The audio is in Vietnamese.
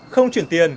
không chuyển tiền